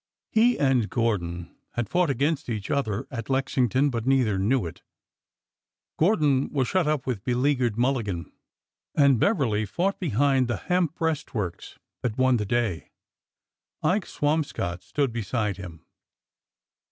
He and Gordon had fought against each other at Lex ington, but neither knew it. Gordon was shut up with beleaguered Mulligan, and Beverly fought behind the hemp breastworks that won the day. Ike Swamscott stood beside him.